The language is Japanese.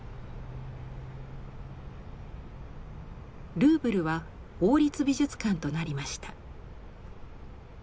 ルーブルは「王立美術館」となりました。